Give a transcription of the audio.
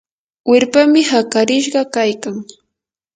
wirpami hakarishqa kaykan.